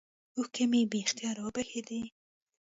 اوښکې مې بې اختياره وبهېدې.